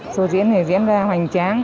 số diễn thì diễn ra hoành tráng